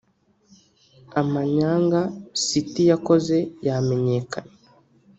amanyanga Sitti yakoze yamenyekanye